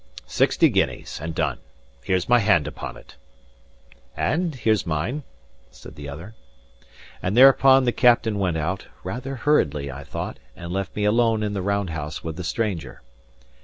Sixty guineas, and done. Here's my hand upon it." "And here's mine," said the other. And thereupon the captain went out (rather hurriedly, I thought), and left me alone in the round house with the stranger.